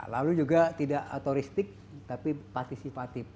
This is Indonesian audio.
lalu juga tidak autoristik tapi partisipatif